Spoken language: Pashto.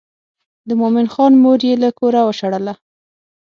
د مومن خان مور یې له کوره وشړله.